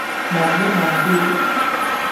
望一望錶